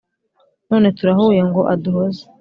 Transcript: none turahuye ngo aduhoze